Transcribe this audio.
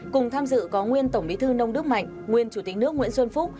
cùng tham dự có nguyên tổng bí thư nông đức mạnh nguyên chủ tịch nước nguyễn xuân phúc